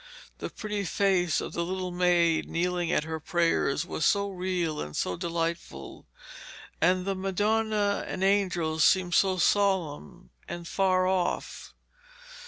The pretty face of the little maid kneeling at her prayers was so real and so delightful, and the Madonna and angels seemed so solemn and far off.